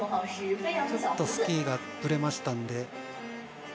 ちょっとスキーがぶれましたので。